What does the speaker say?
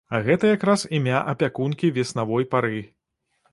А гэта якраз імя апякункі веснавой пары.